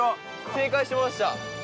正解しました。